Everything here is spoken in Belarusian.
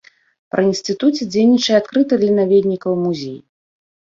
Пры інстытуце дзейнічае адкрыты для наведнікаў музей.